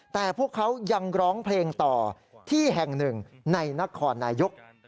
แต่พวกเขายังร้องเพลงต่อที่แห่งหนึ่งในนครนายก